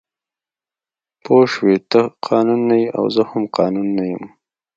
پوه شوې ته قانون نه یې او زه هم قانون نه یم